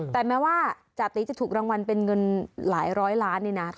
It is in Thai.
แต่แม้ว่าจาติจะถูกรางวัลเป็นเงินหลายร้อยล้านนี่นะ